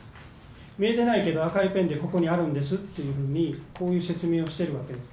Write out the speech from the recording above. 見えてないけど赤いペンでここにあるんですっていうふうにこういう説明をしているわけです。